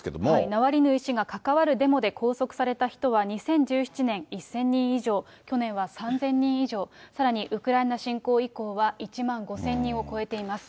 ナワリヌイ氏が関わるデモで拘束された人は、２０１７年、１０００人以上、去年は３０００人以上、さらにウクライナ侵攻以降は、１万５０００人を超えています。